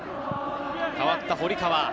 代わった堀川。